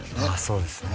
そうですね